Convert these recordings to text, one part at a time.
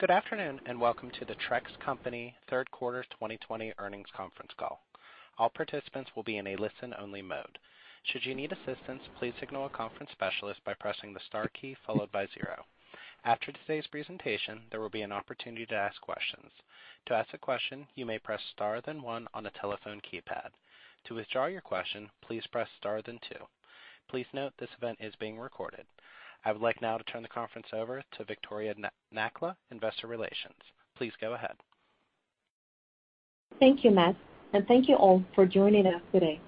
Good afternoon and welcome to the Trex Company Third Quarter 2020 Earnings Conference Call. All participants will be in a listen-only mode. Should you need assistance, please signal a conference specialist by pressing the star key followed by zero. After today's presentation, there will be an opportunity to ask questions. To ask a question, you may press star then one on the telephone keypad. To withdraw your question, please press star then two. Please note this event is being recorded. I would like now to turn the conference over to Viktoriia Nakhla, Investor Relations. Please go ahead. Thank you, Matt, and thank you all for joining us today.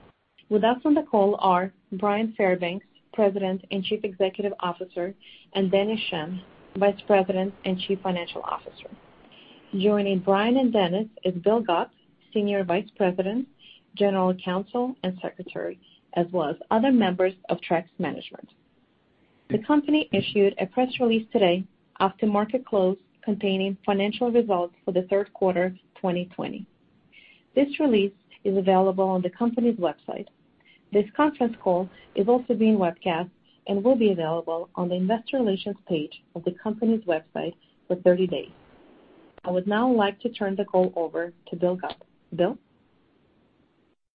With us on the call are Bryan Fairbanks, President and Chief Executive Officer, and Dennis Schemm, Vice President and Chief Financial Officer. Joining Bryan and Dennis is Bill Gupp, Senior Vice President, General Counsel, and Secretary, as well as other members of Trex Management. The company issued a press release today after market close containing Financial Results for the Third Quarter 2020. This release is available on the company's website. This conference call is also being webcast and will be available on the Investor Relations page of the company's website for 30 days. I would now like to turn the call over to Bill Gupp, Bill.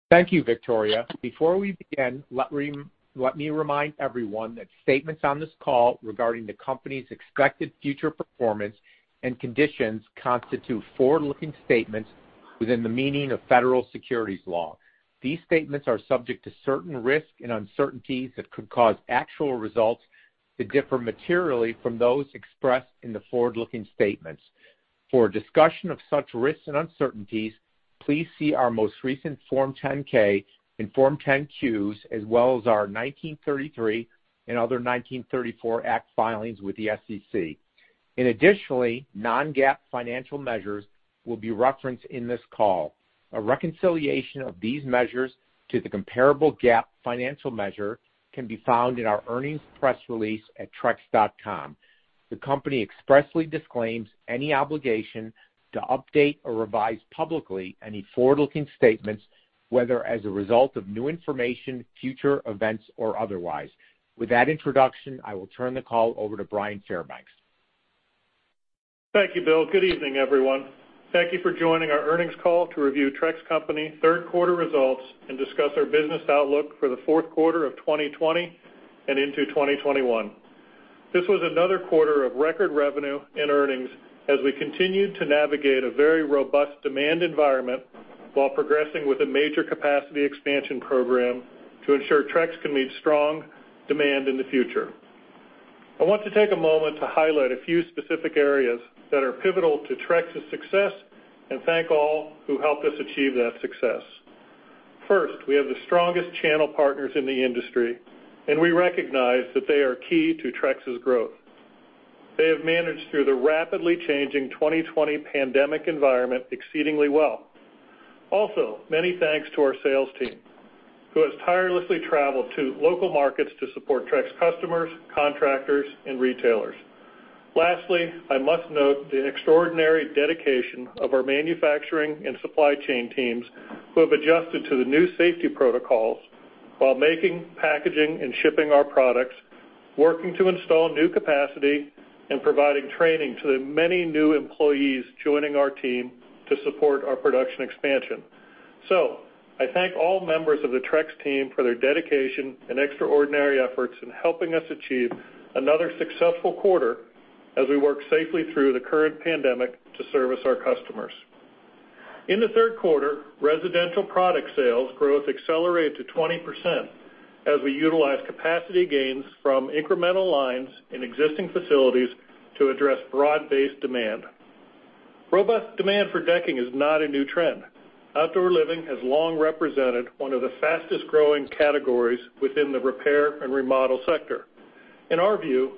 Thank you, Victoria. Before we begin, let me remind everyone that statements on this call regarding the company's expected future performance and conditions constitute forward-looking statements within the meaning of federal securities law. These statements are subject to certain risks and uncertainties that could cause actual results to differ materially from those expressed in the forward-looking statements. For discussion of such risks and uncertainties, please see our most recent Form 10-K and Form 10-Qs, as well as our 1933 and other 1934 Act filings with the SEC. In addition, non-GAAP financial measures will be referenced in this call. A reconciliation of these measures to the comparable GAAP financial measure can be found in our earnings press release at trex.com. The company expressly disclaims any obligation to update or revise publicly any forward-looking statements, whether as a result of new information, future events, or otherwise. With that introduction, I will turn the call over to Bryan Fairbanks. Thank you, Bill. Good evening, everyone. Thank you for joining our Earnings Call to review Trex Company's Third Quarter Results and discuss our business outlook for the fourth quarter of 2020 and into 2021. This was another quarter of record revenue and earnings as we continued to navigate a very robust demand environment while progressing with a major capacity expansion program to ensure Trex can meet strong demand in the future. I want to take a moment to highlight a few specific areas that are pivotal to Trex's success and thank all who helped us achieve that success. First, we have the strongest channel partners in the industry, and we recognize that they are key to Trex's growth. They have managed through the rapidly changing 2020 pandemic environment exceedingly well. Also, many thanks to our sales team who has tirelessly traveled to local markets to support Trex customers, contractors, and retailers. Lastly, I must note the extraordinary dedication of our manufacturing and supply chain teams who have adjusted to the new safety protocols while making, packaging, and shipping our products, working to install new capacity, and providing training to the many new employees joining our team to support our production expansion. I thank all members of the Trex team for their dedication and extraordinary efforts in helping us achieve another successful quarter as we work safely through the current pandemic to service our customers. In the third quarter, residential product sales growth accelerated to 20% as we utilized capacity gains from incremental lines in existing facilities to address broad-based demand. Robust demand for decking is not a new trend. Outdoor living has long represented one of the fastest-growing categories within the repair and remodel sector. In our view,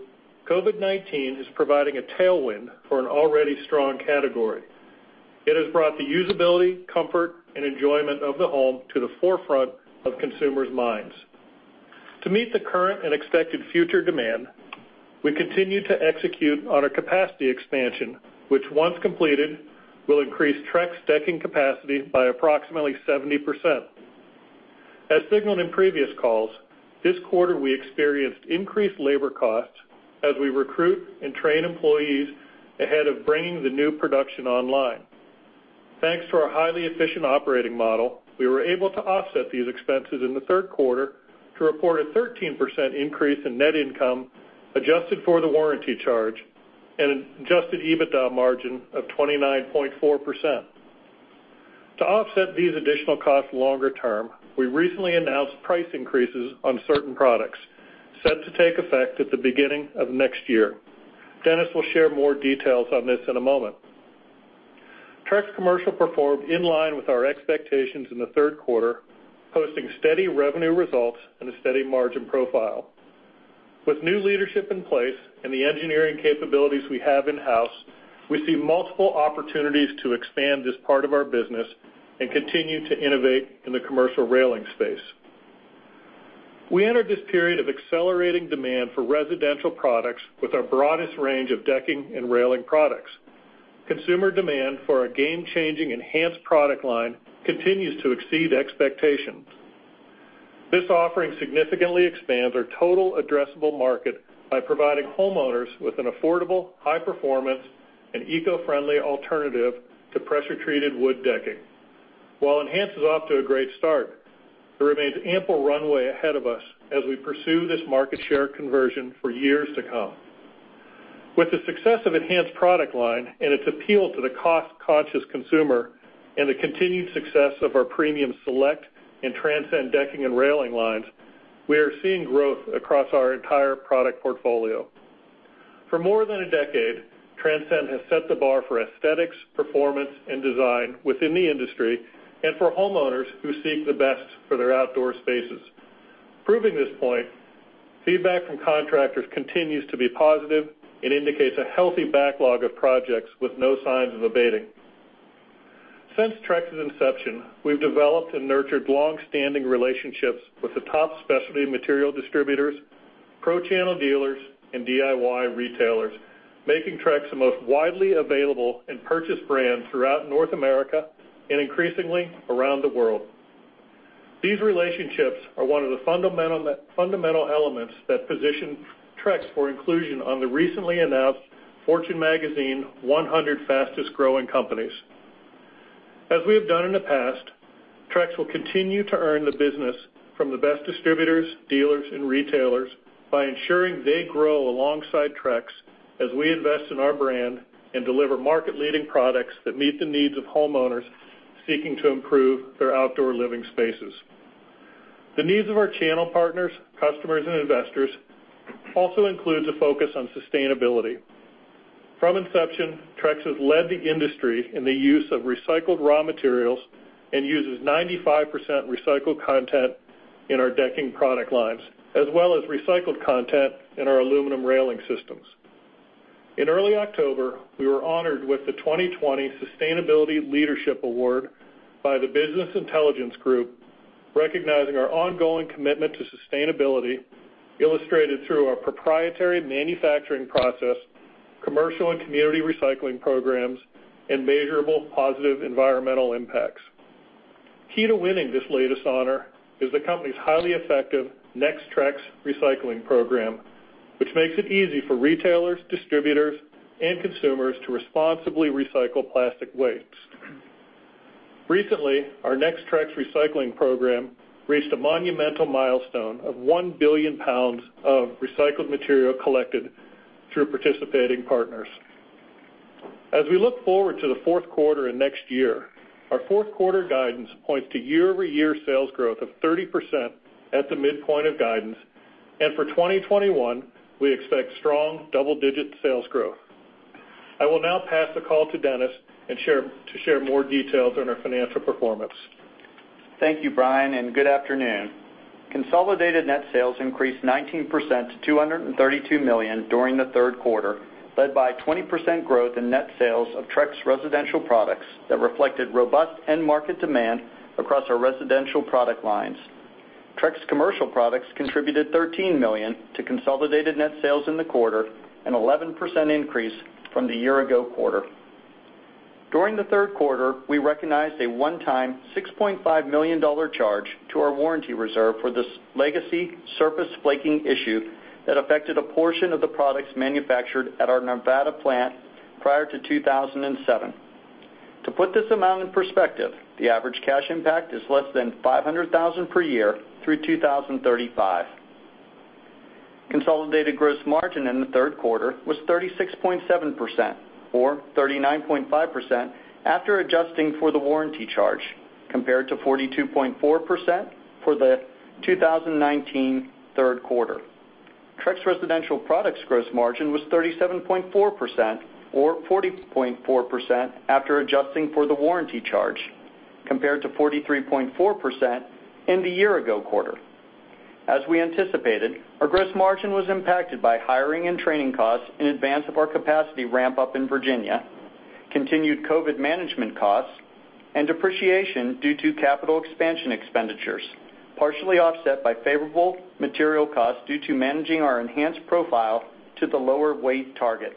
COVID-19 is providing a tailwind for an already strong category. It has brought the usability, comfort, and enjoyment of the home to the forefront of consumers' minds. To meet the current and expected future demand, we continue to execute on our capacity expansion, which, once completed, will increase Trex decking capacity by approximately 70%. As signaled in previous calls, this quarter we experienced increased labor costs as we recruit and train employees ahead of bringing the new production online. Thanks to our highly efficient operating model, we were able to offset these expenses in the third quarter to report a 13% increase in net income adjusted for the warranty charge and an adjusted EBITDA margin of 29.4%. To offset these additional costs longer term, we recently announced price increases on certain products set to take effect at the beginning of next year. Dennis will share more details on this in a moment. Trex Commercial performed in line with our expectations in the third quarter, posting steady revenue results and a steady margin profile. With new leadership in place and the engineering capabilities we have in-house, we see multiple opportunities to expand this part of our business and continue to innovate in the commercial railing space. We entered this period of accelerating demand for residential products with our broadest range of decking and railing products. Consumer demand for our game-changing Enhance product line continues to exceed expectations. This offering significantly expands our total addressable market by providing homeowners with an affordable, high-performance, and eco-friendly alternative to pressure-treated wood decking. While Enhance is off to a great start, there remains ample runway ahead of us as we pursue this market share conversion for years to come. With the success of the Enhance product line and its appeal to the cost-conscious consumer and the continued success of our premium Select and Transcend decking and railing lines, we are seeing growth across our entire product portfolio. For more than a decade, Transcend has set the bar for aesthetics, performance, and design within the industry and for homeowners who seek the best for their outdoor spaces. Proving this point, feedback from contractors continues to be positive and indicates a healthy backlog of projects with no signs of abating. Since Trex's inception, we've developed and nurtured long-standing relationships with the top specialty material distributors, pro-channel dealers, and DIY retailers, making Trex the most widely available and purchased brand throughout North America and increasingly around the world. These relationships are one of the fundamental elements that position Trex for inclusion on the recently announced Fortune Magazine 100 fastest-growing companies. As we have done in the past, Trex will continue to earn the business from the best distributors, dealers, and retailers by ensuring they grow alongside Trex as we invest in our brand and deliver market-leading products that meet the needs of homeowners seeking to improve their outdoor living spaces. The needs of our channel partners, customers, and investors also include a focus on sustainability. From inception, Trex has led the industry in the use of recycled raw materials and uses 95% recycled content in our decking product lines, as well as recycled content in our aluminum railing systems. In early October, we were honored with the 2020 Sustainability Leadership Award by the Business Intelligence Group, recognizing our ongoing commitment to sustainability illustrated through our proprietary manufacturing process, commercial and community recycling programs, and measurable positive environmental impacts. Key to winning this latest honor is the company's highly effective Next Trex Recycling Program, which makes it easy for retailers, distributors, and consumers to responsibly recycle plastic waste. Recently, our Next Trex Recycling Program reached a monumental milestone of 1 billion pounds of recycled material collected through participating partners. As we look forward to the fourth quarter in next year, our fourth quarter guidance points to year-over-year sales growth of 30% at the midpoint of guidance, and for 2021, we expect strong double-digit sales growth. I will now pass the call to Dennis to share more details on our financial performance. Thank you, Bryan, and good afternoon. Consolidated net sales increased 19% to $232 million during the third quarter, led by 20% growth in net sales of Trex residential products that reflected robust end-market demand across our residential product lines. Trex Commercial Products contributed $13 million to consolidated net sales in the quarter, an 11% increase from the year-ago quarter. During the third quarter, we recognized a one-time $6.5 million charge to our warranty reserve for this legacy surface flaking issue that affected a portion of the products manufactured at our Nevada plant prior to 2007. To put this amount in perspective, the average cash impact is less than $500,000 per year through 2035. Consolidated gross margin in the third quarter was 36.7%, or 39.5% after adjusting for the warranty charge, compared to 42.4% for the 2019 third quarter. Trex residential products' gross margin was 37.4%, or 40.4% after adjusting for the warranty charge, compared to 43.4% in the year-ago quarter. As we anticipated, our gross margin was impacted by hiring and training costs in advance of our capacity ramp-up in Virginia, continued COVID management costs, and depreciation due to capital expansion expenditures, partially offset by favorable material costs due to managing our enhanced profile to the lower weight target.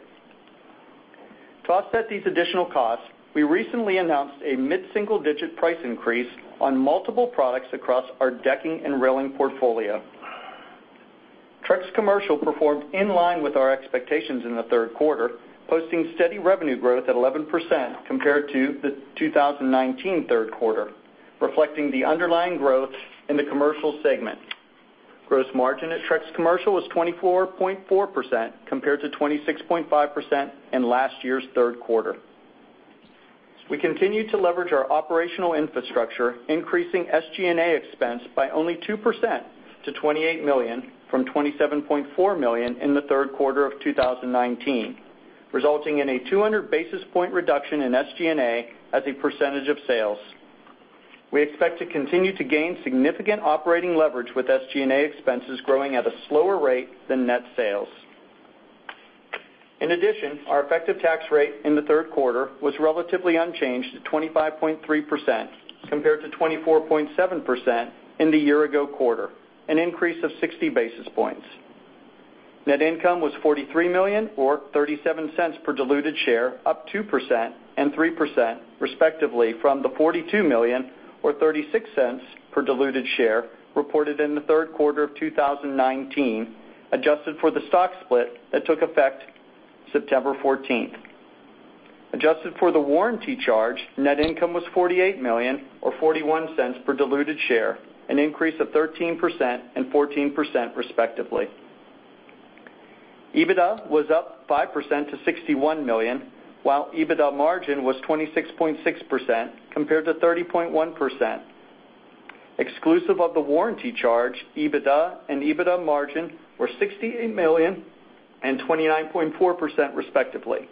To offset these additional costs, we recently announced a mid-single-digit price increase on multiple products across our decking and railing portfolio. Trex Commercial performed in line with our expectations in the third quarter, posting steady revenue growth at 11% compared to the 2019 third quarter, reflecting the underlying growth in the commercial segment. Gross margin at Trex Commercial was 24.4% compared to 26.5% in last year's third quarter. We continued to leverage our operational infrastructure, increasing SG&A expense by only 2% to $28 million from $27.4 million in the third quarter of 2019, resulting in a 200 basis point reduction in SG&A as a percentage of sales. We expect to continue to gain significant operating leverage with SG&A expenses growing at a slower rate than net sales. In addition, our effective tax rate in the third quarter was relatively unchanged at 25.3% compared to 24.7% in the year-ago quarter, an increase of 60 basis points. Net income was $43 million, or $0.37 per diluted share, up 2% and 3% respectively from the $42 million, or $0.36 per diluted share reported in the third quarter of 2019, adjusted for the stock split that took effect September 14th. Adjusted for the warranty charge, net income was $48 million, or $0.41 per diluted share, an increase of 13% and 14% respectively. EBITDA was up 5% to $61 million, while EBITDA margin was 26.6% compared to 30.1%. Exclusive of the warranty charge, EBITDA and EBITDA margin were $68 million and 29.4% respectively.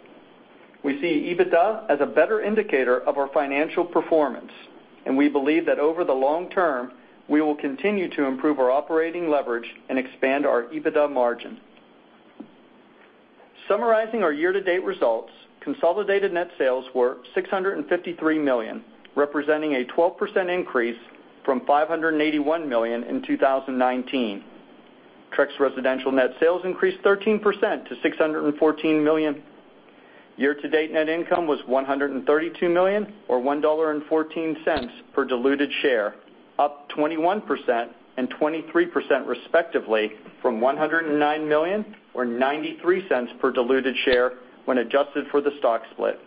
We see EBITDA as a better indicator of our financial performance, and we believe that over the long term, we will continue to improve our operating leverage and expand our EBITDA margin. Summarizing our year-to-date results, consolidated net sales were $653 million, representing a 12% increase from $581 million in 2019. Trex residential net sales increased 13% to $614 million. Year-to-date net income was $132 million, or $1.14 per diluted share, up 21% and 23% respectively from $109 million, or $0.93 per diluted share when adjusted for the stock split.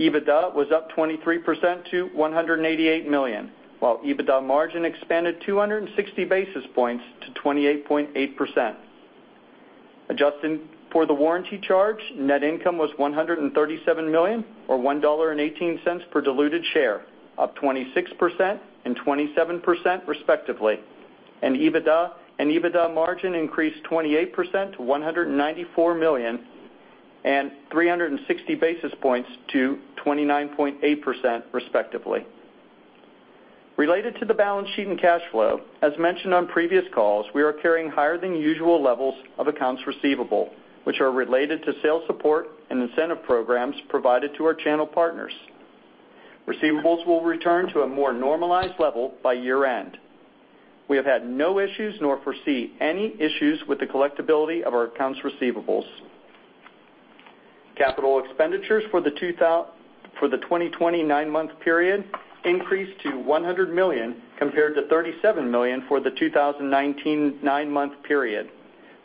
EBITDA was up 23% to $188 million, while EBITDA margin expanded 260 basis points to 28.8%. Adjusting for the warranty charge, net income was $137 million, or $1.18 per diluted share, up 26% and 27% respectively, and EBITDA margin increased 28% to $194 million and 360 basis points to 29.8% respectively. Related to the balance sheet and cash flow, as mentioned on previous calls, we are carrying higher-than-usual levels of accounts receivable, which are related to sales support and incentive programs provided to our channel partners. Receivables will return to a more normalized level by year-end. We have had no issues nor foresee any issues with the collectibility of our accounts receivables. Capital expenditures for the 2020 nine-month period increased to $100 million compared to $37 million for the 2019 nine-month period,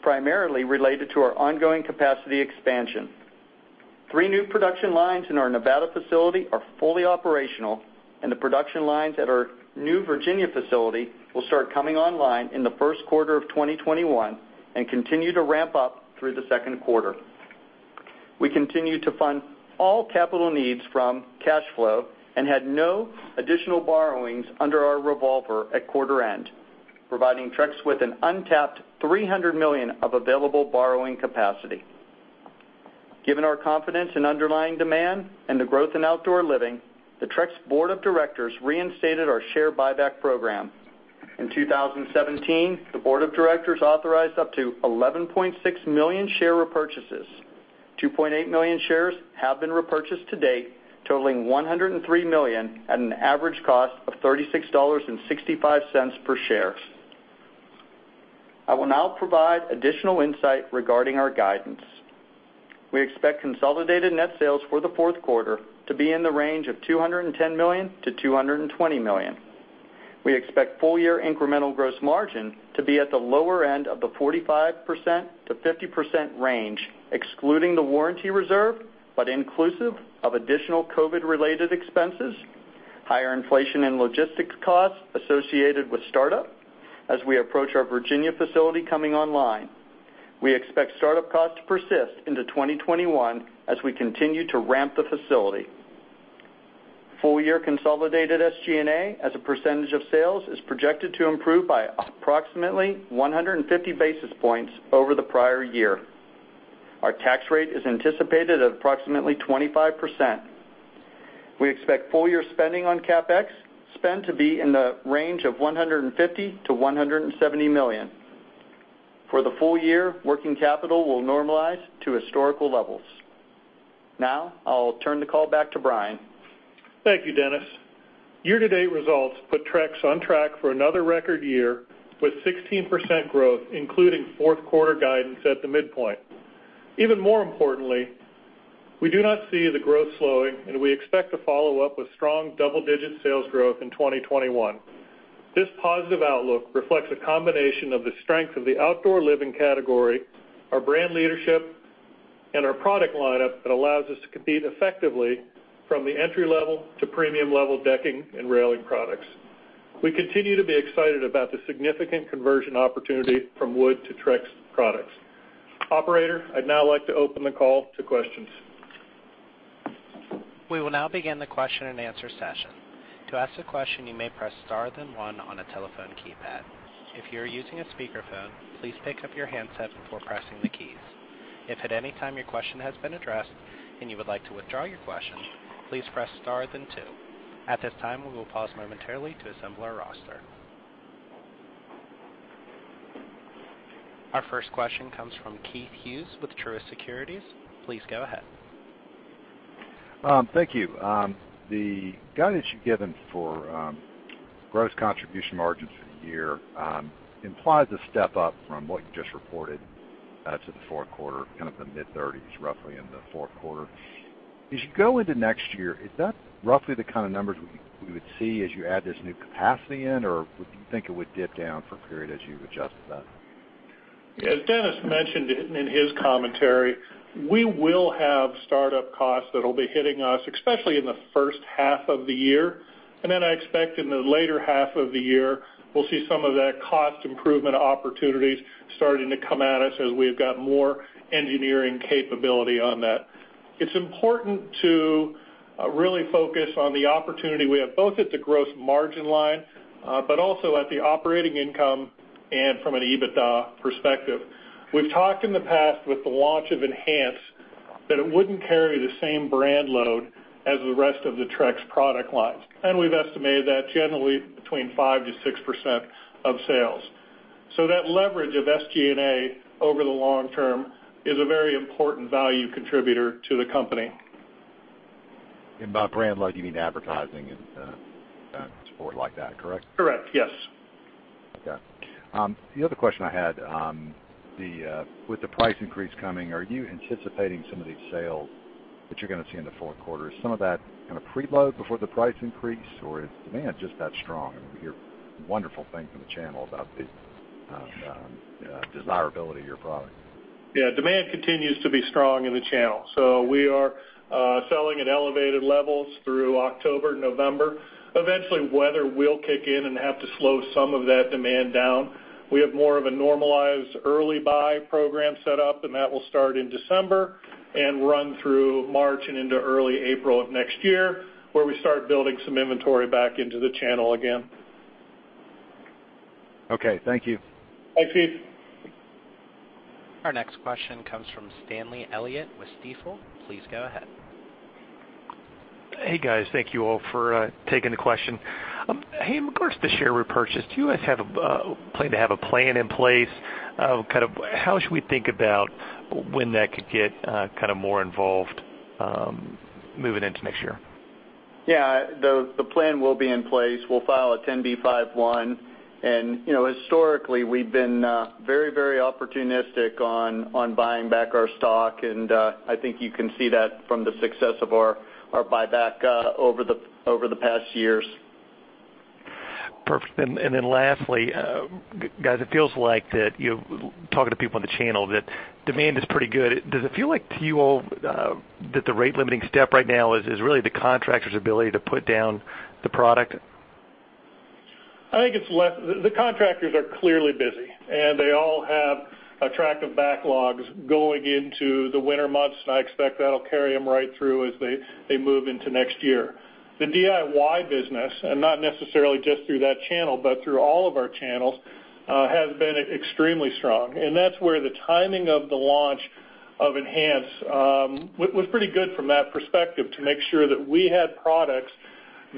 primarily related to our ongoing capacity expansion. Three new production lines in our Nevada facility are fully operational, and the production lines at our new Virginia facility will start coming online in the first quarter of 2021 and continue to ramp up through the second quarter. We continue to fund all capital needs from cash flow and had no additional borrowings under our revolver at quarter-end, providing Trex with an untapped $300 million of available borrowing capacity. Given our confidence in underlying demand and the growth in outdoor living, the Trex Board of Directors reinstated our share buyback program. In 2017, the Board of Directors authorized up to 11.6 million share repurchases. 2.8 million shares have been repurchased to date, totaling $103 million at an average cost of $36.65 per share. I will now provide additional insight regarding our guidance. We expect consolidated net sales for the fourth quarter to be in the range of $210 million-$220 million. We expect full-year incremental gross margin to be at the lower end of the 45%-50% range, excluding the warranty reserve but inclusive of additional COVID-related expenses, higher inflation, and logistics costs associated with startup as we approach our Virginia facility coming online. We expect startup costs to persist into 2021 as we continue to ramp the facility. Full-year consolidated SG&A as a percentage of sales is projected to improve by approximately 150 basis points over the prior year. Our tax rate is anticipated at approximately 25%. We expect full-year spending on CapEx to be in the range of $150 million-$170 million. For the full year, working capital will normalize to historical levels. Now, I'll turn the call back to Bryan. Thank you, Dennis. Year-to-date results put Trex on track for another record year with 16% growth, including fourth-quarter guidance at the midpoint. Even more importantly, we do not see the growth slowing, and we expect to follow up with strong double-digit sales growth in 2021. This positive outlook reflects a combination of the strength of the outdoor living category, our brand leadership, and our product lineup that allows us to compete effectively from the entry-level to premium-level decking and railing products. We continue to be excited about the significant conversion opportunity from wood to Trex products. Operator, I'd now like to open the call to questions. We will now begin the question-and-answer session. To ask a question, you may press star then one on a telephone keypad. If you're using a speakerphone, please pick up your handset before pressing the keys. If at any time your question has been addressed and you would like to withdraw your question, please press star then two. At this time, we will pause momentarily to assemble our roster. Our first question comes from Keith Hughes with Truist Securities. Please go ahead. Thank you. The guidance you've given for gross contribution margins for the year implies a step up from what you just reported to the fourth quarter, kind of the mid-thirties, roughly in the fourth quarter. As you go into next year, is that roughly the kind of numbers we would see as you add this new capacity in, or do you think it would dip down for a period as you adjust that? Yeah, Dennis mentioned it in his commentary. We will have startup costs that will be hitting us, especially in the first half of the year. I expect in the later half of the year, we'll see some of that cost improvement opportunities starting to come at us as we've got more engineering capability on that. It's important to really focus on the opportunity we have, both at the gross margin line but also at the operating income and from an EBITDA perspective. We've talked in the past with the launch of Enhance that it wouldn't carry the same brand load as the rest of the Trex product lines, and we've estimated that generally between 5%-6% of sales. That leverage of SG&A over the long term is a very important value contributor to the company. By brand, you mean advertising and support like that, correct? Correct, yes. Okay. The other question I had, with the price increase coming, are you anticipating some of these sales that you're going to see in the fourth quarter? Is some of that kind of preload before the price increase, or is demand just that strong? We hear wonderful things in the channel about the desirability of your product. Yeah, demand continues to be strong in the channel. We are selling at elevated levels through October and November. Eventually, weather will kick in and have to slow some of that demand down. We have more of a normalized early buy program set up, and that will start in December and run through March and into early April of next year, where we start building some inventory back into the channel again. Okay, thank you. Thanks, Keith. Our next question comes from Stanley Elliott with Stifel. Please go ahead. Hey, guys. Thank you all for taking the question. Hey, of course, this year we purchased. Do you guys plan to have a plan in place? Kind of how should we think about when that could get kind of more involved moving into next year? Yeah, the plan will be in place. We'll file a 10b5-1. Historically, we've been very, very opportunistic on buying back our stock, and I think you can see that from the success of our buyback over the past years. Perfect. Lastly, guys, it feels like that you're talking to people on the channel that demand is pretty good. Does it feel like to you all that the rate-limiting step right now is really the contractor's ability to put down the product? I think it's less. The contractors are clearly busy, and they all have attractive backlogs going into the winter months, and I expect that'll carry them right through as they move into next year. The DIY business, and not necessarily just through that channel, but through all of our channels, has been extremely strong. That's where the timing of the launch of Enhance was pretty good from that perspective to make sure that we had products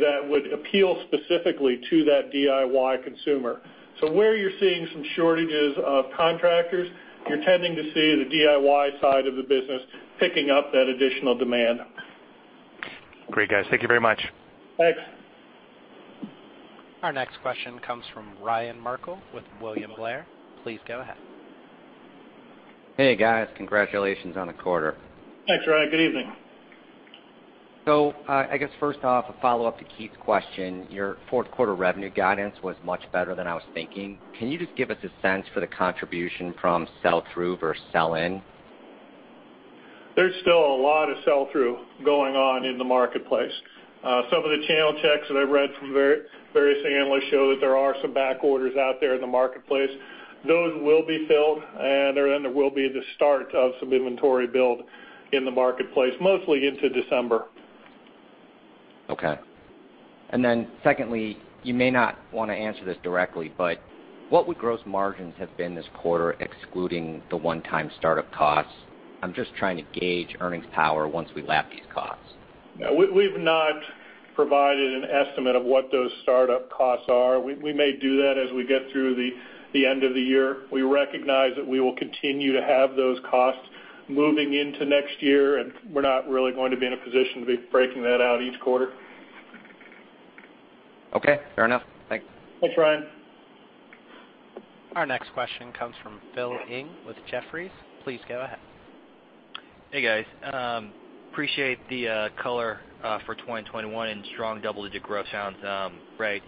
that would appeal specifically to that DIY consumer. Where you're seeing some shortages of contractors, you're tending to see the DIY side of the business picking up that additional demand. Great, guys. Thank you very much. Thanks. Our next question comes from Ryan Merkel with William Blair. Please go ahead. Hey, guys. Congratulations on the quarter. Thanks, Ryan. Good evening. I guess first off, a follow-up to Keith's question. Your fourth-quarter revenue guidance was much better than I was thinking. Can you just give us a sense for the contribution from sell-through versus sell-in? There's still a lot of sell-through going on in the marketplace. Some of the channel checks that I've read from various analysts show that there are some back orders out there in the marketplace. Those will be filled, and then there will be the start of some inventory build in the marketplace, mostly into December. Okay. Secondly, you may not want to answer this directly, but what would gross margins have been this quarter, excluding the one-time startup costs? I'm just trying to gauge earnings power once we lap these costs. We've not provided an estimate of what those startup costs are. We may do that as we get through the end of the year. We recognize that we will continue to have those costs moving into next year, and we're not really going to be in a position to be breaking that out each quarter. Okay, fair enough. Thanks. Thanks, Ryan. Our next question comes from Phil Ng with Jefferies. Please go ahead. Hey, guys. Appreciate the color for 2021 and strong double-digit growth sounds great.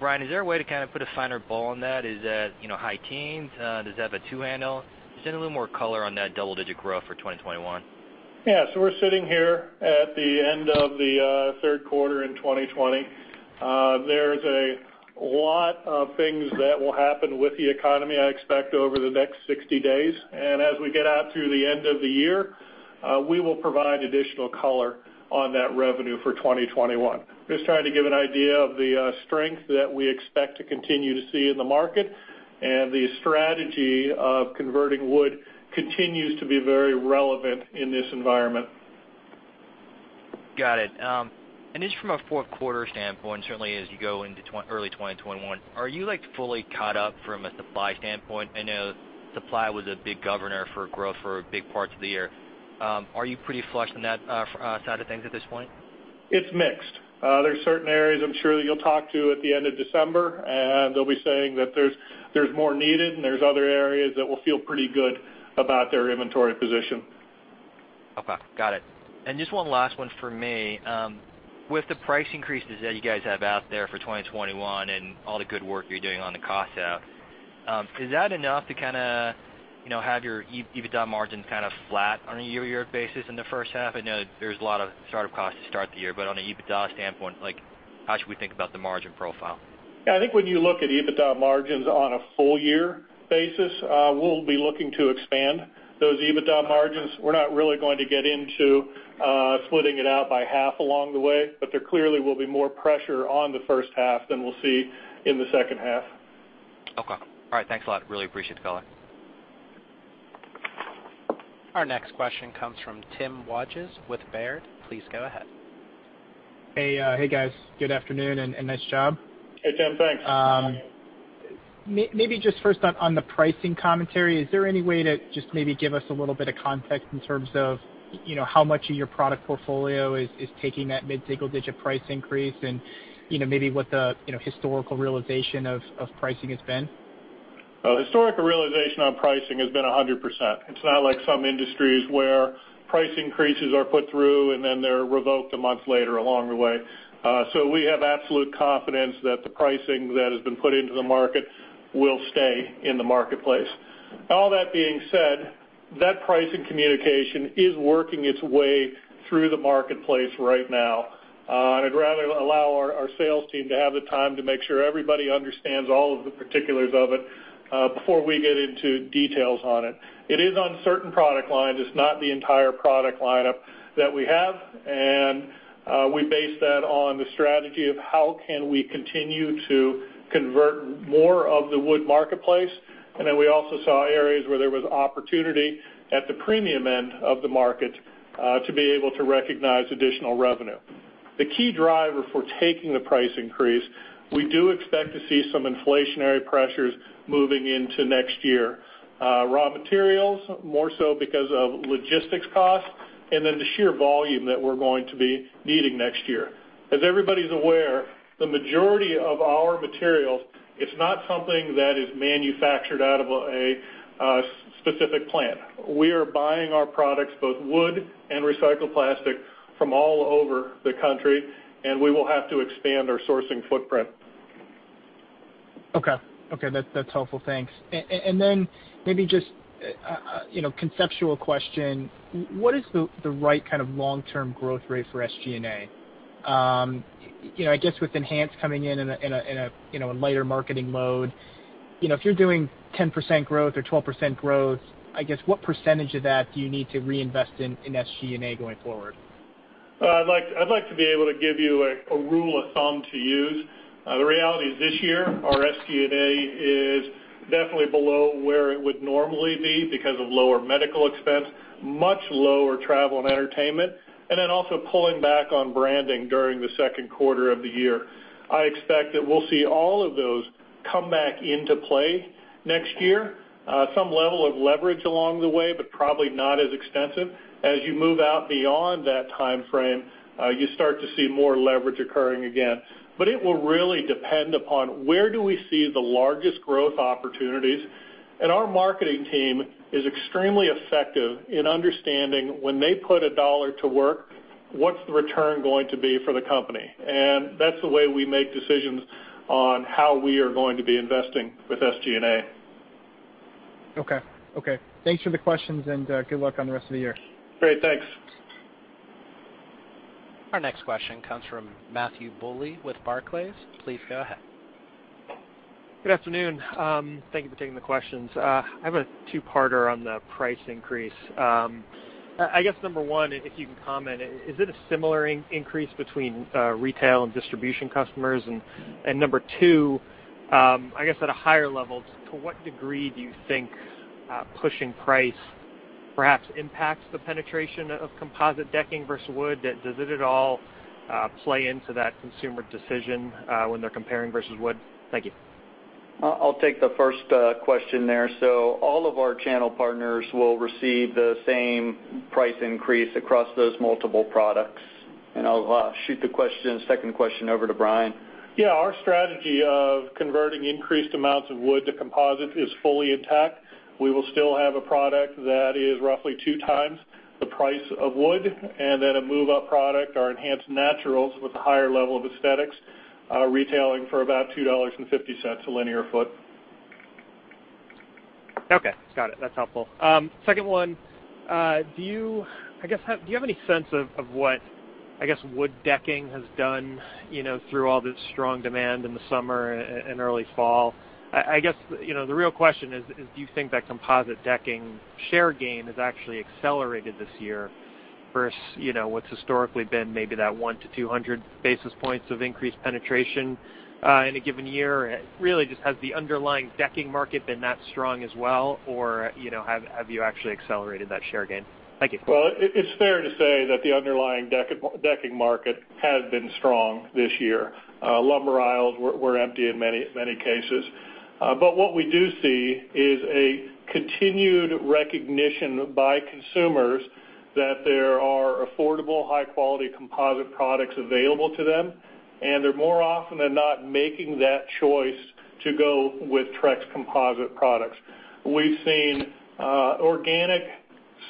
Ryan, is there a way to kind of put a finer ball on that? Is that high teens? Does it have a two-handle? Just a little more color on that double-digit growth for 2021. Yeah, we are sitting here at the end of the third quarter in 2020. There are a lot of things that will happen with the economy, I expect, over the next 60 days. As we get out to the end of the year, we will provide additional color on that revenue for 2021. Just trying to give an idea of the strength that we expect to continue to see in the market, and the strategy of converting wood continues to be very relevant in this environment. Got it. Just from a fourth-quarter standpoint, certainly as you go into early 2021, are you fully caught up from a supply standpoint? I know supply was a big governor for growth for big parts of the year. Are you pretty flush on that side of things at this point? It's mixed. There's certain areas I'm sure that you'll talk to at the end of December, and they'll be saying that there's more needed, and there's other areas that will feel pretty good about their inventory position. Okay, got it. Just one last one for me. With the price increases that you guys have out there for 2021 and all the good work you're doing on the cost out, is that enough to kind of have your EBITDA margins kind of flat on a year-to-year basis in the first half? I know there's a lot of startup costs to start the year, but on an EBITDA standpoint, how should we think about the margin profile? Yeah, I think when you look at EBITDA margins on a full-year basis, we'll be looking to expand those EBITDA margins. We're not really going to get into splitting it out by half along the way, but there clearly will be more pressure on the first half than we'll see in the second half. Okay. All right, thanks a lot. Really appreciate the call. Our next question comes from Tim Wojs with Baird. Please go ahead. Hey, guys. Good afternoon and nice job. Hey, Tim, thanks. Maybe just first on the pricing commentary, is there any way to just maybe give us a little bit of context in terms of how much of your product portfolio is taking that mid-digit price increase and maybe what the historical realization of pricing has been? Historical realization on pricing has been 100%. It's not like some industries where price increases are put through and then they're revoked a month later along the way. We have absolute confidence that the pricing that has been put into the market will stay in the marketplace. All that being said, that pricing communication is working its way through the marketplace right now. I'd rather allow our sales team to have the time to make sure everybody understands all of the particulars of it before we get into details on it. It is on certain product lines. It's not the entire product lineup that we have, and we base that on the strategy of how can we continue to convert more of the wood marketplace. We also saw areas where there was opportunity at the premium end of the market to be able to recognize additional revenue. The key driver for taking the price increase, we do expect to see some inflationary pressures moving into next year. Raw materials, more so because of logistics costs, and then the sheer volume that we're going to be needing next year. As everybody's aware, the majority of our materials, it's not something that is manufactured out of a specific plant. We are buying our products, both wood and recycled plastic, from all over the country, and we will have to expand our sourcing footprint. Okay. Okay, that's helpful. Thanks. Maybe just a conceptual question. What is the right kind of long-term growth rate for SG&A? I guess with Enhance coming in in a lighter marketing load, if you're doing 10% growth or 12% growth, I guess what percentage of that do you need to reinvest in SG&A going forward? I'd like to be able to give you a rule of thumb to use. The reality is this year, our SG&A is definitely below where it would normally be because of lower medical expense, much lower travel and entertainment, and then also pulling back on branding during the second quarter of the year. I expect that we'll see all of those come back into play next year, some level of leverage along the way, but probably not as extensive. As you move out beyond that time frame, you start to see more leverage occurring again. It will really depend upon where do we see the largest growth opportunities. Our marketing team is extremely effective in understanding when they put a dollar to work, what's the return going to be for the company? That's the way we make decisions on how we are going to be investing with SG&A. Okay. Okay. Thanks for the questions and good luck on the rest of the year. Great, thanks. Our next question comes from Matthew Bouley with Barclays. Please go ahead. Good afternoon. Thank you for taking the questions. I have a two-parter on the price increase. I guess number one, if you can comment, is it a similar increase between retail and distribution customers? And number two, I guess at a higher level, to what degree do you think pushing price perhaps impacts the penetration of composite decking versus wood? Does it at all play into that consumer decision when they're comparing versus wood? Thank you. I'll take the first question there. All of our channel partners will receive the same price increase across those multiple products. I'll shoot the second question over to Bryan. Yeah, our strategy of converting increased amounts of wood to composite is fully intact. We will still have a product that is roughly two times the price of wood, and then a move-up product, our Enhance Naturals with a higher level of aesthetics, retailing for about $2.50 a linear foot. Okay, got it. That's helpful. Second one, I guess do you have any sense of what, I guess, wood decking has done through all this strong demand in the summer and early fall? I guess the real question is, do you think that composite decking share gain has actually accelerated this year versus what's historically been maybe that 1 to 200 basis points of increased penetration in a given year? Really, just has the underlying decking market been that strong as well, or have you actually accelerated that share gain? Thank you. It's fair to say that the underlying decking market has been strong this year. Lumber aisles were empty in many cases. What we do see is a continued recognition by consumers that there are affordable, high-quality composite products available to them, and they're more often than not making that choice to go with Trex composite products. We've seen organic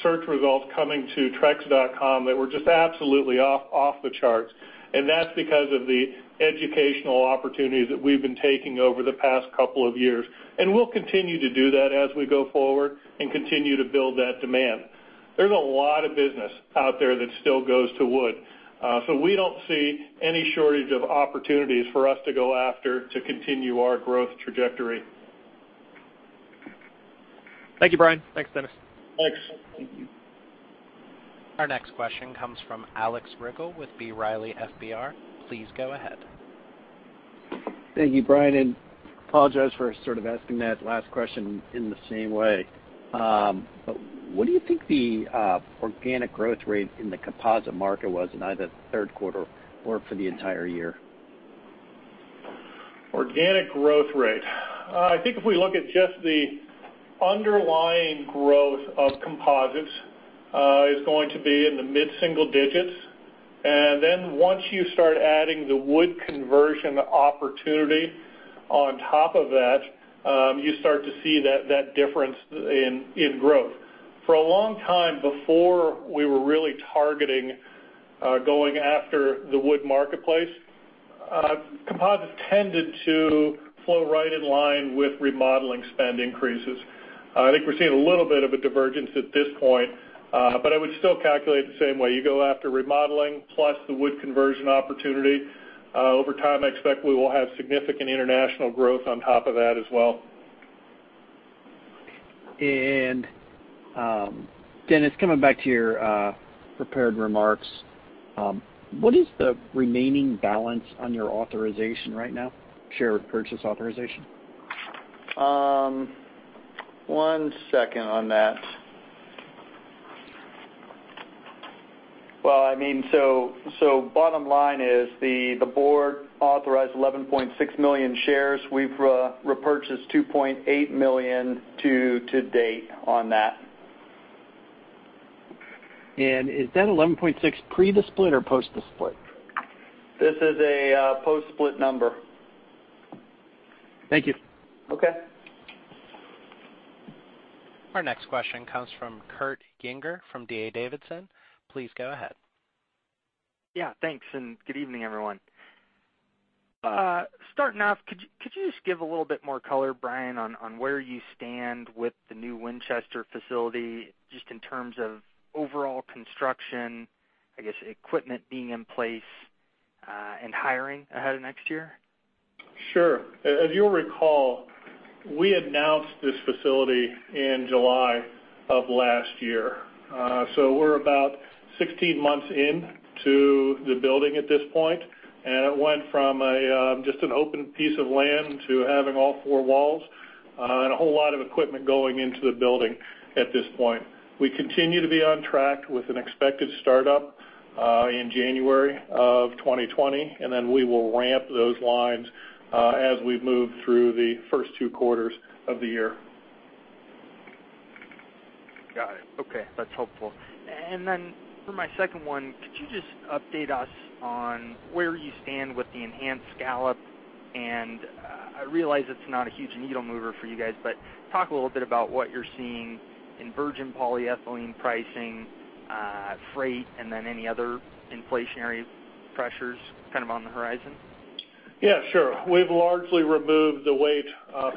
search results coming to trex.com that were just absolutely off the charts. That's because of the educational opportunities that we've been taking over the past couple of years. We'll continue to do that as we go forward and continue to build that demand. There's a lot of business out there that still goes to wood. We don't see any shortage of opportunities for us to go after to continue our growth trajectory. Thank you, Bryan. Thanks, Dennis. Thanks. Our next question comes from Alex Rygiel with B. Riley FBR. Please go ahead. Thank you, Brian. I apologize for sort of asking that last question in the same way. What do you think the organic growth rate in the composite market was in either third quarter or for the entire year? Organic growth rate. I think if we look at just the underlying growth of composites, it's going to be in the mid-single digits. Once you start adding the wood conversion opportunity on top of that, you start to see that difference in growth. For a long time before we were really targeting going after the wood marketplace, composites tended to flow right in line with remodeling spend increases. I think we're seeing a little bit of a divergence at this point, but I would still calculate it the same way. You go after remodeling plus the wood conversion opportunity. Over time, I expect we will have significant international growth on top of that as well. Dennis, coming back to your prepared remarks, what is the remaining balance on your authorization right now, share purchase authorization? One second on that. I mean, so bottom line is the board authorized 11.6 million shares. We've repurchased 2.8 million to date on that. Is that 11.6 pre-dispute or post-dispute? This is a post-dispute number. Thank you. Okay. Our next question comes from Kurt Yinger from D.A. Davidson. Please go ahead. Yeah, thanks. Good evening, everyone. Starting off, could you just give a little bit more color, Brian, on where you stand with the new Winchester facility just in terms of overall construction, I guess, equipment being in place and hiring ahead of next year? Sure. As you'll recall, we announced this facility in July of last year. We are about 16 months into the building at this point. It went from just an open piece of land to having all four walls and a whole lot of equipment going into the building at this point. We continue to be on track with an expected startup in January of 2020, and we will ramp those lines as we move through the first two quarters of the year. Got it. Okay, that's helpful. For my second one, could you just update us on where you stand with the Enhance scallop? I realize it's not a huge needle mover for you guys, but talk a little bit about what you're seeing in virgin polyethylene pricing, freight, and then any other inflationary pressures kind of on the horizon? Yeah, sure. We've largely removed the weight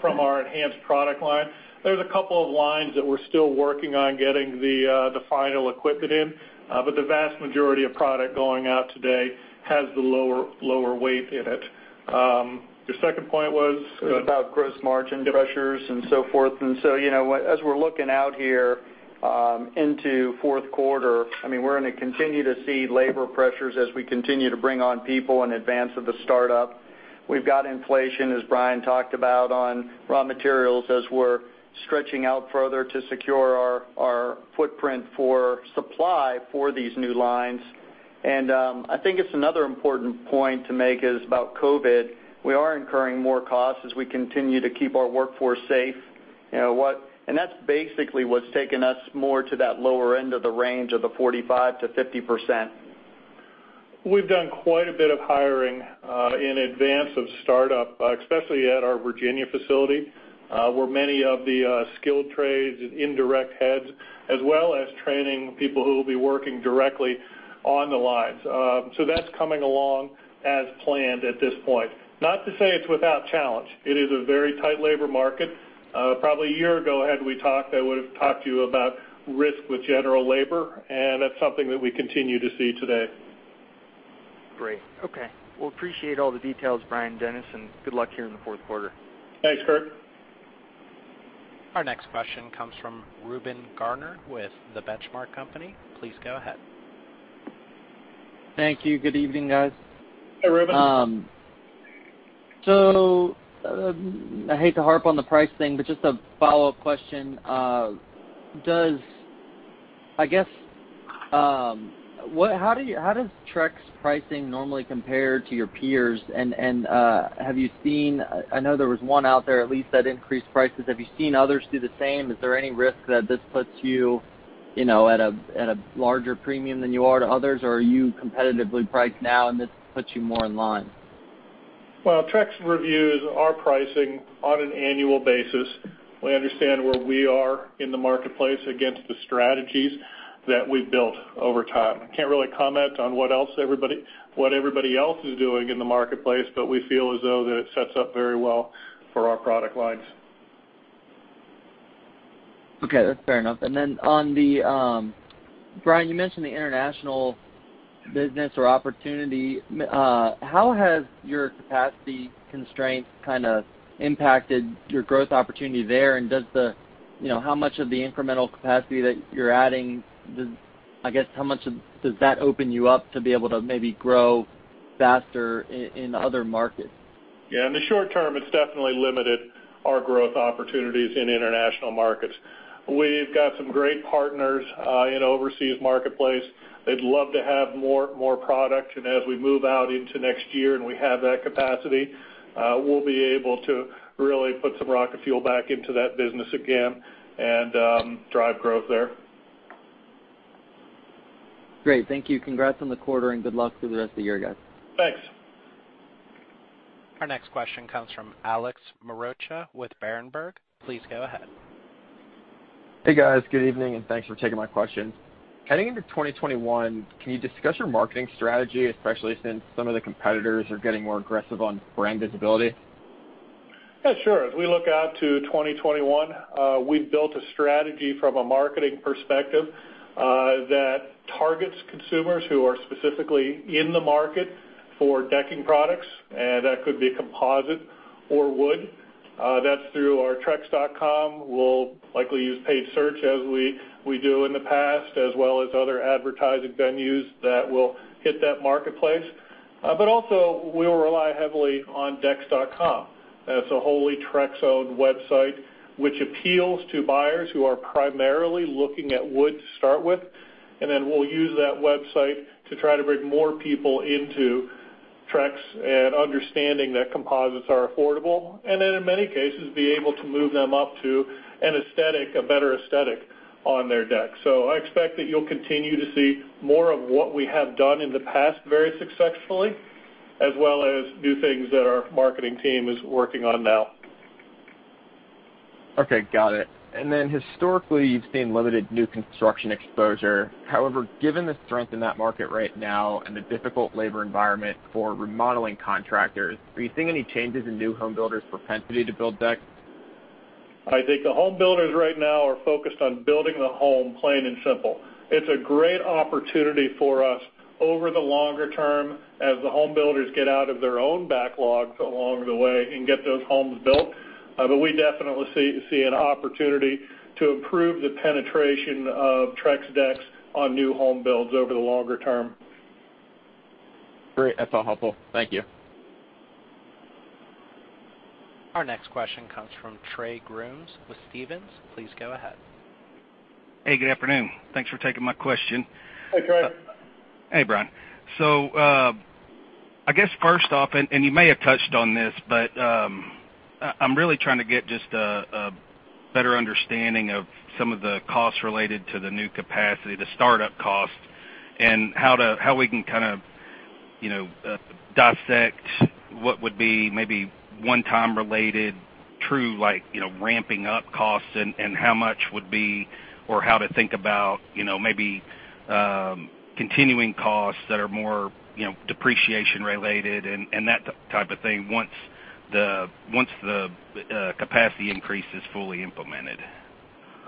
from our Enhance product line. There's a couple of lines that we're still working on getting the final equipment in, but the vast majority of product going out today has the lower weight in it. Your second point was? About gross margin pressures and so forth. As we are looking out here into fourth quarter, I mean, we are going to continue to see labor pressures as we continue to bring on people in advance of the startup. We have got inflation, as Brian talked about, on raw materials as we are stretching out further to secure our footprint for supply for these new lines. I think another important point to make is about COVID. We are incurring more costs as we continue to keep our workforce safe. That is basically what has taken us more to that lower end of the range of the 45%-50%. We've done quite a bit of hiring in advance of startup, especially at our Virginia facility, where many of the skilled trades and indirect heads, as well as training people who will be working directly on the lines. That is coming along as planned at this point. Not to say it's without challenge. It is a very tight labor market. Probably a year ago had we talked, I would have talked to you about risk with general labor, and that's something that we continue to see today. Great. Okay. Appreciate all the details, Bryan and Dennis, and good luck here in the fourth quarter. Thanks, Kurt. Our next question comes from Reuben Garner with The Benchmark Company. Please go ahead. Thank you. Good evening, guys. Hey, Reuben. I hate to harp on the price thing, but just a follow-up question. I guess, how does Trex pricing normally compare to your peers? Have you seen—I know there was one out there at least that increased prices. Have you seen others do the same? Is there any risk that this puts you at a larger premium than you are to others, or are you competitively priced now and this puts you more in line? Trex reviews our pricing on an annual basis. We understand where we are in the marketplace against the strategies that we've built over time. I can't really comment on what everybody else is doing in the marketplace, but we feel as though that it sets up very well for our product lines. Okay, that's fair enough. Brian, you mentioned the international business or opportunity. How has your capacity constraints kind of impacted your growth opportunity there? How much of the incremental capacity that you're adding, I guess, how much does that open you up to be able to maybe grow faster in other markets? Yeah, in the short term, it's definitely limited our growth opportunities in international markets. We've got some great partners in the overseas marketplace. They'd love to have more product. As we move out into next year and we have that capacity, we'll be able to really put some rocket fuel back into that business again and drive growth there. Great. Thank you. Congrats on the quarter and good luck through the rest of the year, guys. Thanks. Our next question comes from Alex Mirocha with Berenberg. Please go ahead. Hey, guys. Good evening and thanks for taking my question. Heading into 2021, can you discuss your marketing strategy, especially since some of the competitors are getting more aggressive on brand visibility? Yeah, sure. As we look out to 2021, we've built a strategy from a marketing perspective that targets consumers who are specifically in the market for decking products, and that could be composite or wood. That's through our trex.com. We'll likely use paid search as we do in the past, as well as other advertising venues that will hit that marketplace. Also, we will rely heavily on dex.com. That's a wholly Trex-owned website which appeals to buyers who are primarily looking at wood to start with. We will use that website to try to bring more people into Trex and understanding that composites are affordable, and then in many cases, be able to move them up to a better aesthetic on their deck. I expect that you'll continue to see more of what we have done in the past very successfully, as well as new things that our marketing team is working on now. Okay, got it. Historically, you've seen limited new construction exposure. However, given the strength in that market right now and the difficult labor environment for remodeling contractors, are you seeing any changes in new homebuilders' propensity to build decks? I think the homebuilders right now are focused on building the home, plain and simple. It's a great opportunity for us over the longer term as the homebuilders get out of their own backlogs along the way and get those homes built. We definitely see an opportunity to improve the penetration of Trex decks on new homebuilds over the longer term. Great. That's all helpful. Thank you. Our next question comes from Trey Grooms with Stephens. Please go ahead. Hey, good afternoon. Thanks for taking my question. Hey, Trey. Hey, Brian. I guess first off, and you may have touched on this, but I'm really trying to get just a better understanding of some of the costs related to the new capacity, the startup costs, and how we can kind of dissect what would be maybe one-time related true ramping up costs and how much would be or how to think about maybe continuing costs that are more depreciation-related and that type of thing once the capacity increase is fully implemented.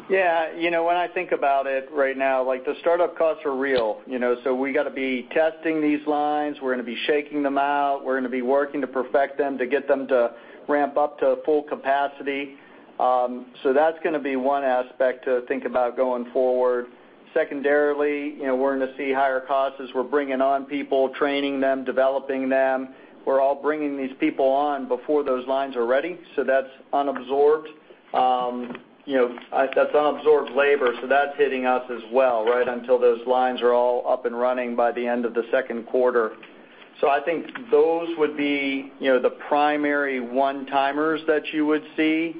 Yeah. When I think about it right now, the startup costs are real. We got to be testing these lines. We're going to be shaking them out. We're going to be working to perfect them to get them to ramp up to full capacity. That is going to be one aspect to think about going forward. Secondarily, we're going to see higher costs as we're bringing on people, training them, developing them. We're all bringing these people on before those lines are ready. That is unabsorbed labor. That is hitting us as well right until those lines are all up and running by the end of the second quarter. I think those would be the primary one-timers that you would see.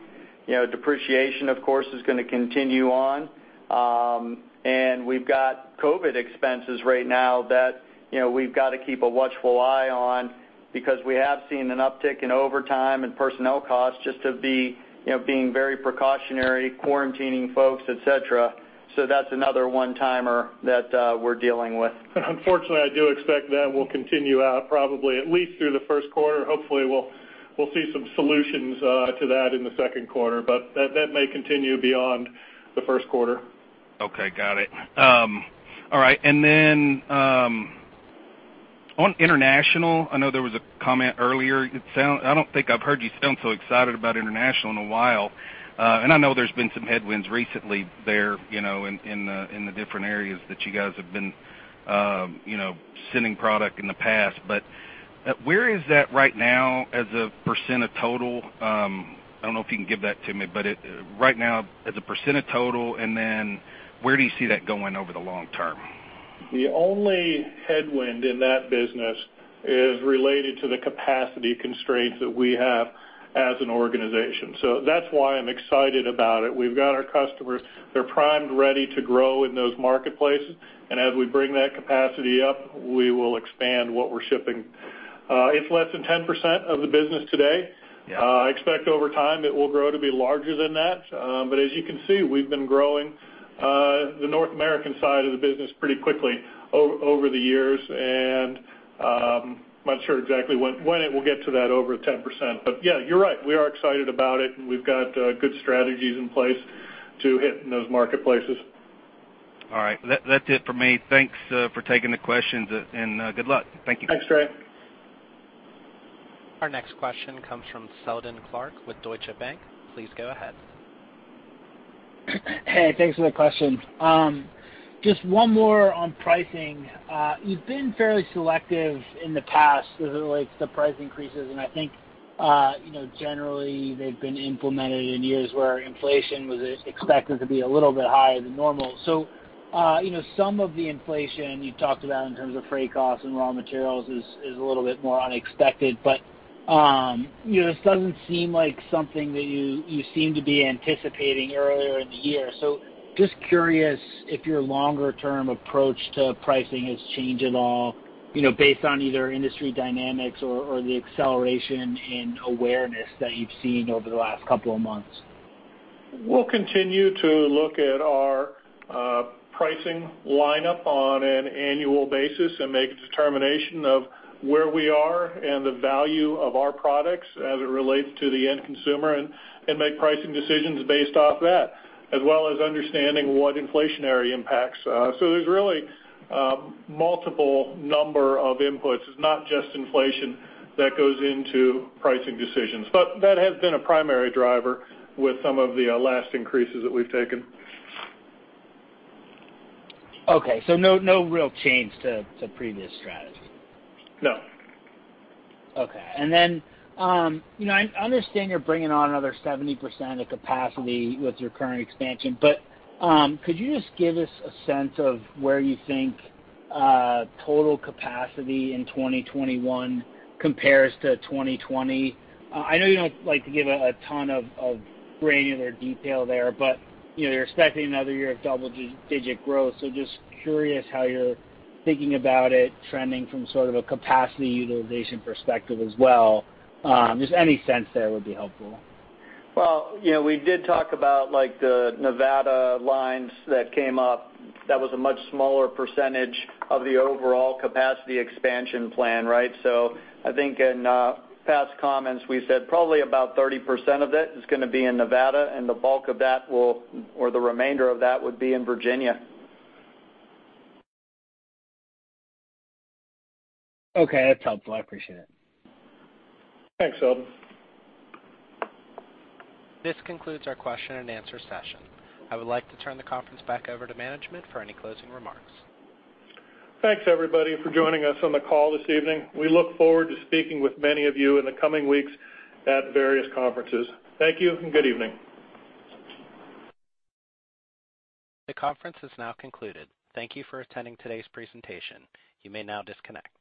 Depreciation, of course, is going to continue on. We have COVID expenses right now that we've got to keep a watchful eye on because we have seen an uptick in overtime and personnel costs just to be very precautionary, quarantining folks, etc. That is another one-timer that we're dealing with. Unfortunately, I do expect that will continue out probably at least through the first quarter. Hopefully, we'll see some solutions to that in the second quarter, but that may continue beyond the first quarter. Okay, got it. All right. On international, I know there was a comment earlier. I don't think I've heard you sound so excited about international in a while. I know there's been some headwinds recently there in the different areas that you guys have been sending product in the past. Where is that right now as a percent of total? I don't know if you can give that to me, but right now as a percent of total, and where do you see that going over the long term? The only headwind in that business is related to the capacity constraints that we have as an organization. That is why I'm excited about it. We've got our customers. They're primed, ready to grow in those marketplaces. As we bring that capacity up, we will expand what we're shipping. It's less than 10% of the business today. I expect over time it will grow to be larger than that. As you can see, we've been growing the North American side of the business pretty quickly over the years. I'm not sure exactly when it will get to that over 10%. Yeah, you're right. We are excited about it, and we've got good strategies in place to hit in those marketplaces. All right. That's it for me. Thanks for taking the questions, and good luck. Thank you. Thanks, Trey. Our next question comes from Seldon Clarke with Deutsche Bank. Please go ahead. Hey, thanks for the question. Just one more on pricing. You've been fairly selective in the past with the price increases. I think generally they've been implemented in years where inflation was expected to be a little bit higher than normal. Some of the inflation you talked about in terms of freight costs and raw materials is a little bit more unexpected, but this doesn't seem like something that you seem to be anticipating earlier in the year. Just curious if your longer-term approach to pricing has changed at all based on either industry dynamics or the acceleration in awareness that you've seen over the last couple of months. We'll continue to look at our pricing lineup on an annual basis and make a determination of where we are and the value of our products as it relates to the end consumer and make pricing decisions based off that, as well as understanding what inflationary impacts. There are really multiple number of inputs. It's not just inflation that goes into pricing decisions, but that has been a primary driver with some of the last increases that we've taken. Okay. No real change to previous strategy? No. Okay. I understand you're bringing on another 70% of capacity with your current expansion, but could you just give us a sense of where you think total capacity in 2021 compares to 2020? I know you don't like to give a ton of granular detail there, but you're expecting another year of double-digit growth. Just curious how you're thinking about it trending from sort of a capacity utilization perspective as well. Just any sense there would be helpful. We did talk about the Nevada lines that came up. That was a much smaller percentage of the overall capacity expansion plan, right? I think in past comments, we said probably about 30% of that is going to be in Nevada, and the bulk of that will, or the remainder of that, would be in Virginia. Okay. That's helpful. I appreciate it. Thanks, Seldon. This concludes our question-and-answer session. I would like to turn the conference back over to management for any closing remarks. Thanks, everybody, for joining us on the call this evening. We look forward to speaking with many of you in the coming weeks at various conferences. Thank you and good evening. The conference is now concluded. Thank you for attending today's presentation. You may now disconnect.